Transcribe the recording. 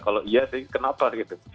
kalau iya sih kenapa gitu